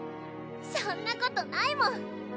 そんなことないもん。